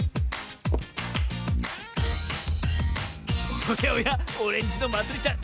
おやおやオレンジのまつりちゃん